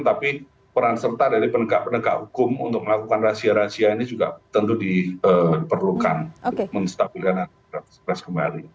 tapi peran serta dari penegak penegak hukum untuk melakukan rahasia rahasia ini juga tentu diperlukan untuk menstabilkan pres kembali